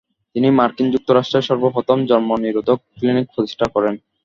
তিনি মার্কিন যুক্তরাষ্ট্রে সর্ব প্রথম জন্ম নিরোধক ক্লিনিক প্রতিষ্ঠা করেন।